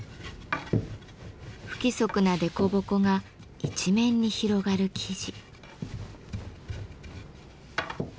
不規則な凸凹が一面に広がる生地。